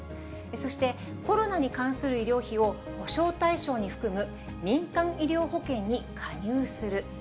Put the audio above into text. そしてコロナに関する医療費を、補償対象に含む民間医療保険に加入する。